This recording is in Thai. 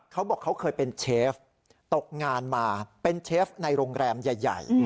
เขาบอกเขาเคยเป็นเชฟตกงานมาเป็นเชฟในโรงแรมใหญ่